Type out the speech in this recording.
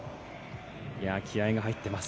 気合が入っています。